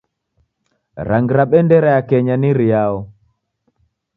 Rangi ra bendera ya Kenya ni riao?